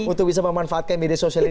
untuk bisa memanfaatkan media sosial ini